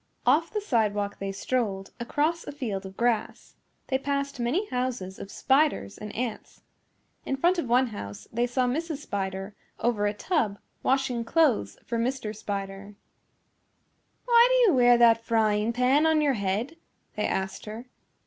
Off the sidewalk they strolled, across a field of grass. They passed many houses of spiders and ants. In front of one house they saw Mrs. Spider over a tub washing clothes for Mr. Spider. "Why do you wear that frying pan on your head?" they asked her.